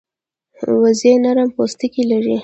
وزې نرم پوستکی لري